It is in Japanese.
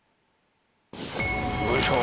よいしょ。